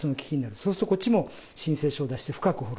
そうすると、こっちも申請書を出して深く掘る。